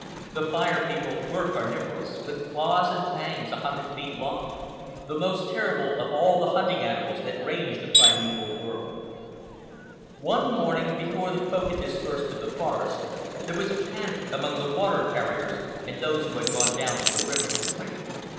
The Fire People were carnivorous, with claws and fangs a hundred feet long, the most terrible of all the hunting animals that ranged the primeval world. One morning, before the Folk had dispersed to the forest, there was a panic among the water carriers and those who had gone down to the river to drink.